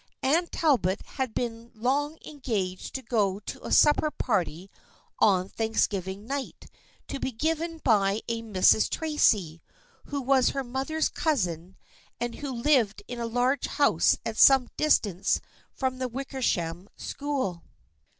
Anne Talbot had been long engaged to go to a sup per party on Thanksgiving night to be given by a Mrs. Tracy, who was her mother's cousin and who lived in a large house at some distance from the Wickersham School.